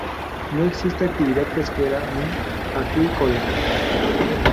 No existe actividad pesquera ni acuícola.